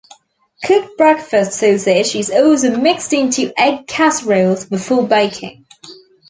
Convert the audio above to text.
Cooked breakfast sausage is also mixed into egg casseroles before baking.